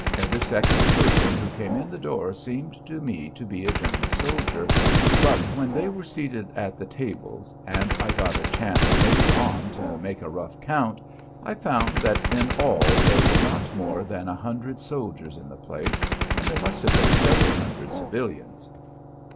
Every second person who came in the door seemed to me to be a German soldier, but when they were seated at the tables and I got a chance later on to make a rough count, I found that in all there were not more than a hundred soldiers in the place and there must have been several hundred civilians.